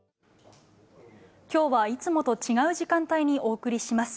きょうはいつもと違う時間帯にお送りします。